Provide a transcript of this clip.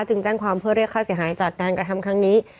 แจ้งความเพื่อเรียกค่าเสียหายจากการกระทำครั้งนี้